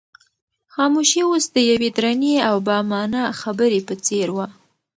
خاموشي اوس د یوې درنې او با مانا خبرې په څېر وه.